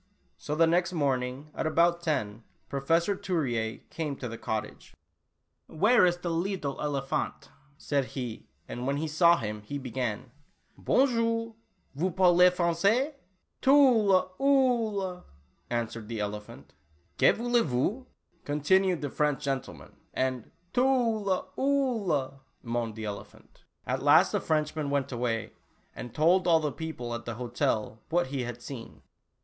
So the next morning at about ten Professor Turier came to the cottage. "Where ees de leedle elephante?" said he, and when he saw him, he began :" Bonjour, vous parlez Francais?" "Tula Oolah," answered the elephant. "Que voulez vous ?" continued the French gentleman, and "Tula Oolah, " moaned the ele phant. At last the Frenchman went away, and told all the people at the hotel what he had seen.